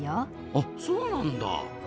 あそうなんだ。